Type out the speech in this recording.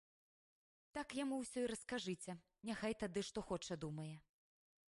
Так яму ўсё і раскажыце, няхай тады што хоча думае.